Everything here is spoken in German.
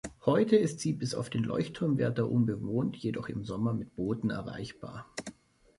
Heute ist sie bis auf den Leuchtturmwärter unbewohnt, jedoch im Sommer mit Booten erreichbar.